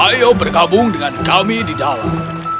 ayo bergabung dengan kami di dalam